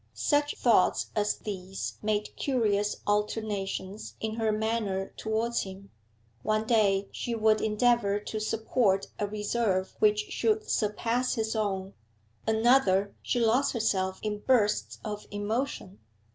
Such thoughts as these made curious alternations in her manner towards him; one day she would endeavour to support a reserve which should surpass his own, another she lost herself in bursts of emotion.